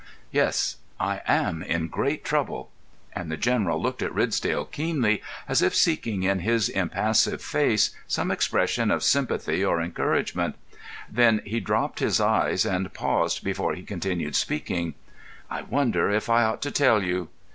"Yes. I am in great trouble." And the General looked at Ridsdale keenly, as if seeking in his impassive face some expression of sympathy or encouragement; then he dropped his eyes and paused before he continued speaking. "I wonder if I ought to tell you?